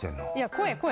声！